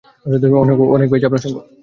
অনেক পেয়েছি আপনার সঙ্গ!